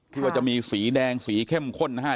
คือจะมีสีแดงสีเข้มข้นนะครับ